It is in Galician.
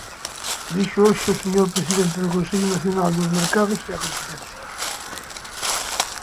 Díxoo hoxe o señor presidente do Consello Nacional dos Mercados e a Competencia.